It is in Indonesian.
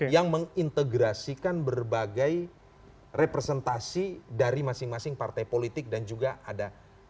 yang mengintegrasikan berbagai representasi dari masing masing partai politik dan juga ada